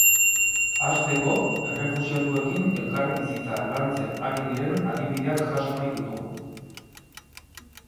Hasteko, errefuxiatuekin elkarbizitza lantzen ari diren adibideak jaso nahi ditugu.